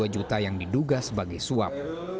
tiga puluh dua juta yang diduga sebagai suap